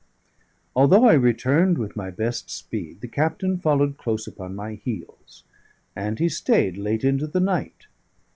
Although I returned with my best speed, the captain followed close upon my heels, and he stayed late into the night.